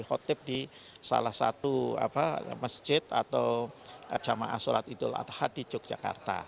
ketua umum roma hurmuzi akan hadir di salah satu masjid atau jamaah sholat idul adha di yogyakarta